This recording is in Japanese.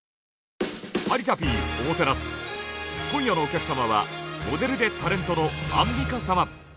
今夜のお客様はモデルでタレントのアンミカ様。